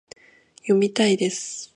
読みたいです